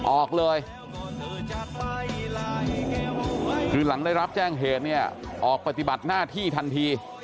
ออกเลยคือหลังได้รับแจ้งเหตุเนี่ยออกปฏิบัติหน้าที่ทันที